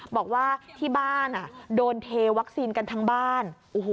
บอกว่าที่บ้านโดนเทวัคซีนกันทั้งบ้าน